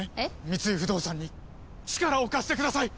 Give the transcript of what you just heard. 三井不動産に力を貸してください！